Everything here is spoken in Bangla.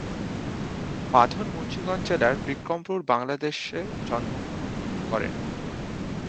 বাঁধন মুন্সীগঞ্জ জেলার বিক্রমপুর বাংলাদেশে জন্ম গ্রহণ করেন।